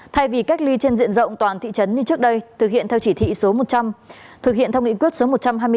thay vì cách ly trên diện rộng toàn thị trấn như trước đây thực hiện theo chỉ thị số một trăm linh thực hiện theo nghị quyết số một trăm hai mươi tám